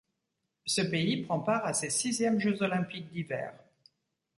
Ce pays prend part à ses sixièmes Jeux olympiques d'hiver.